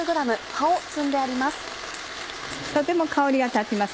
とても香りが立ちます。